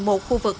một khu vực